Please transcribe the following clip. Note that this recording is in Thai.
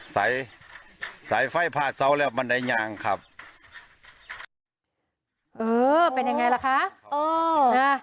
สายสายไฟพาดเสาแล้วบันไดยางครับเออเป็นยังไงล่ะคะเออนะ